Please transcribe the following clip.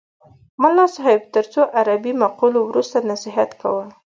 ملا صاحب تر څو عربي مقولو وروسته نصیحت کاوه.